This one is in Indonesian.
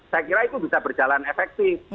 saya kira itu bisa berjalan efektif